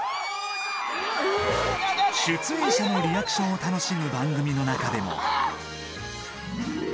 出演者のリアクションを楽しむ番組の中でも。